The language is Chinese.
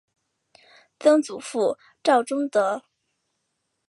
曾祖父赵仲德。